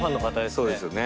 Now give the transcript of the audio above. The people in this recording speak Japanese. そうですよね。